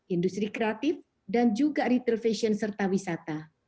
industri kreatif dan juga returvesion serta wisata